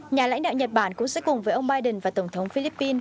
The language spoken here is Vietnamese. nhà lãnh đạo nhật bản cũng sẽ cùng với ông biden và tổng thống philippines